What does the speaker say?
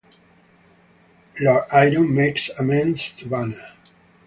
Lord Iron makes amends to Banner.